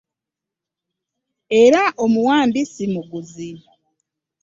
Era omuwambi si muguzi.